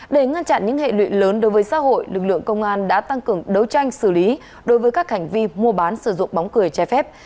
để ngăn chặn những hệ lụy lớn đối với xã hội lực lượng công an đã tăng cường đấu tranh xử lý đối với các hành vi mua bán sử dụng bóng cười trái phép